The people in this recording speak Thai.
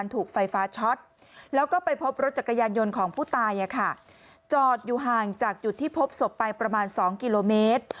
ตอดอยู่ห่างจากจุดที่พบศพไปประมาณ๒กิโลเมตร